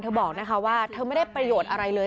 บอกนะคะว่าเธอไม่ได้ประโยชน์อะไรเลย